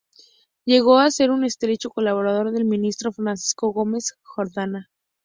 Llegó a ser un estrecho colaborador del ministro Francisco Gómez-Jordana.